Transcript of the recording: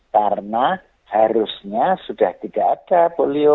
karena harusnya sudah tidak ada polio